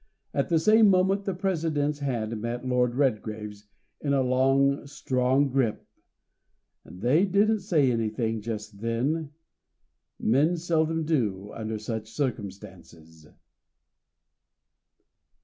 At the same moment the President's hand met Lord Redgrave's in a long, strong grip. They didn't say anything just then. Men seldom do under such circumstances.